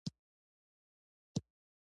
د سفر پر مهال د اوبو څښل مه هېروه.